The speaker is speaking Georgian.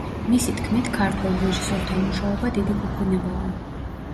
მისი თქმით ქართველ რეჟისორთან მუშაობა დიდი ფუფუნებაა.